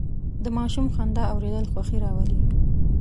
د ماشوم خندا اورېدل خوښي راولي.